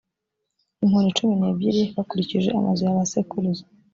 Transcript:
inkoni cumi n ebyiri i bakurikije amazu ya ba sekuruza